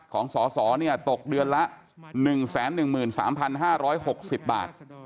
ของสอสอนี่ตกเดือนละ๑๑๓๕๖๐บาท